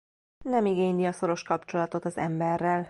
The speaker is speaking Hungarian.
Nem igényli a szoros kapcsolatot az emberrel.